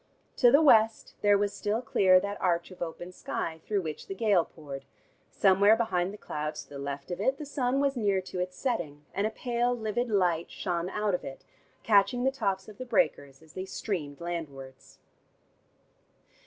To the West there was still clear that arch of open sky through which the gale poured; somewhere behind the clouds to the left of it, the sun was near to its setting, and a pale livid light shone out of it, catching the tops of the breakers as they streamed landwards.